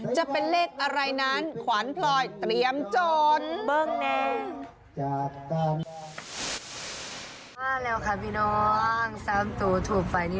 จะเป็นเลขอะไรนั้นขวานพลอยเตรียมโจทย์